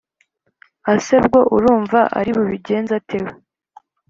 ase ubwo arumva ari bubigenze ate we